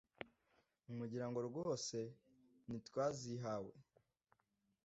Mugira ngo rwose ntitwazihawe